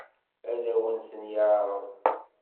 Ad awen-ten-yeɛṛeḍ?